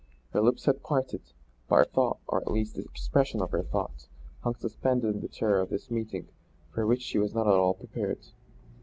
Her lips had parted, but her thought or at least the expression of her thought hung suspended in the terror of this meeting for which she was not at all prepared.